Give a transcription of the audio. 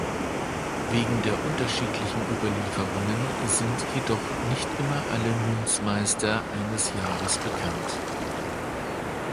Wegen der unterschiedlichen Überlieferungen und sind jedoch nicht immer alle Münzmeister eines Jahres bekannt.